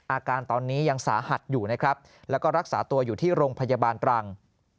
อาการตอนนี้ยังสาหัสอยู่นะครับแล้วก็รักษาตัวอยู่ที่โรงพยาบาลตรัง